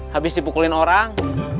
habis dipukulin orang